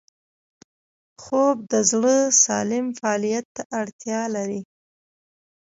خوب د زړه سالم فعالیت ته اړتیا لري